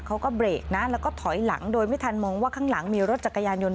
เขาก็เบรกนะแล้วก็ถอยหลังโดยไม่ทันมองว่าข้างหลังมีรถจักรยานยนต